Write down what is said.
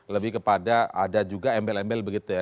lebih kepada ada juga embel embel begitu ya